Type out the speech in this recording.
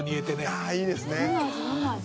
「ああいいですね」